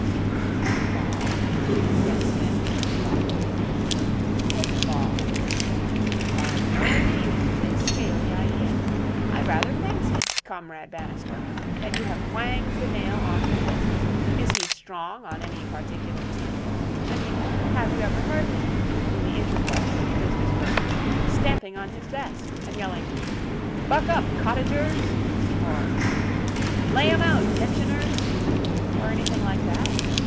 'Football,' said Psmith thoughtfully, 'football. By no means a scaly idea. I rather fancy, Comrade Bannister, that you have whanged the nail on the head. Is he strong on any particular team? I mean, have you ever heard him, in the intervals of business worries, stamping on his desk and yelling, "Buck up Cottagers!" or "Lay 'em out, Pensioners!" or anything like that?